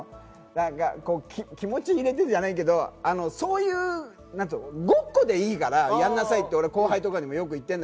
気持ち入れてじゃないけど、そういうごっこでいいからやりなさいって、後輩にも言うの。